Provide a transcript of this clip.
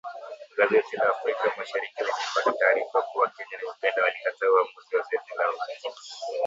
Gazeti la Afrika mashariki limepata taarifa kuwa Kenya na Uganda walikataa uamuzi wa zoezi la uhakiki